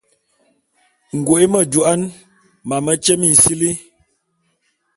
Ngoe medouan, mametye minsili.